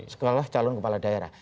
sekolah calon kepala daerah